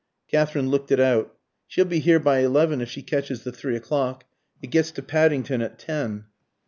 Katherine looked it out. "She'll be here by eleven if she catches the three o'clock. It gets to Paddington at ten."